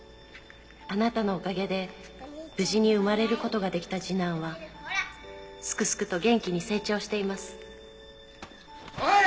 「あなたのおかげで無事に生まれることができた次男はすくすくと元気に成長しています」おい！